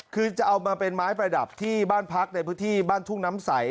คือจะเอามาเป็นไม้ประดับที่บ้านพักในพื้นที่บ้านทุ่งน้ำใส